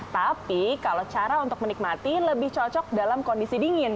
tapi kalau cara untuk menikmati lebih cocok dalam kondisi dingin